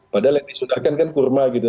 padahal yang disudahkan kan kurma gitu